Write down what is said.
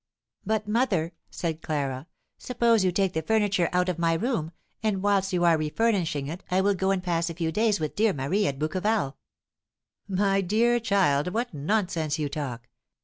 "But, mother," said Clara, "suppose you take the furniture out of my room, and whilst you are refurnishing it I will go and pass a few days with dear Marie at Bouqueval." "My dear child, what nonsense you talk!